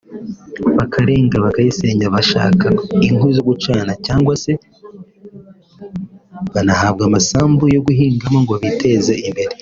bakarenga bakayisenya bashaka inkwi zo gucana cyangwa se banahabwa amasambu yo guhingamo ngo biteze imbere